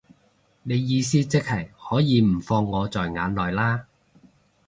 你意思即係可以唔放我在眼內啦